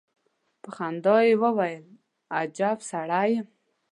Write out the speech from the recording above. په خندا يې وويل: اجب سړی يم.